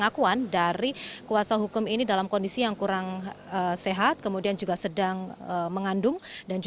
ahli bahasa ahli dari kementerian